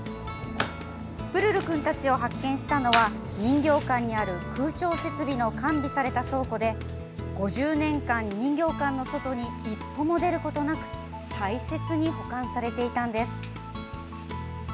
プルルくんたちを発見したのは人形館にある空調設備の完備された倉庫で５０年間人形館の外に一歩も出ることなく大切に保管されていたんです。